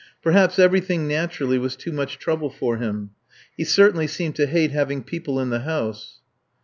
Perhaps everything naturally was too much trouble for him. He certainly seemed to hate having people in the house.